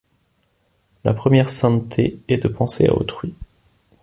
La première sainteté est de penser à autrui.